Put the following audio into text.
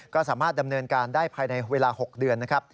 ก็สามารถดำเนินการได้ภายในเวลา๖เดือนนะครับ